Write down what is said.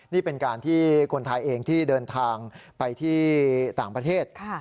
นี่เป็นการที่คนไทยเองที่เดินทางไปที่ต่างประเทศ